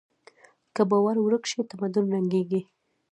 که باور ورک شي، تمدن ړنګېږي.